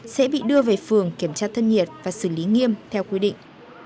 sẽ bị đưa về phường kiểm tra thân nhiệt và xử lý nghiêm theo quy định